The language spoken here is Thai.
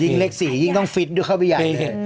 ยิ่งเลขสี่ยิ่งต้องฟิตต์เข้าไปอย่าเลย